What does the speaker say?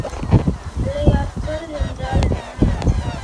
நிலையாற்றல் என்றால் என்ன?